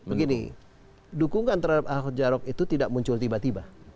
begini dukungan terhadap ahok jarot itu tidak muncul tiba tiba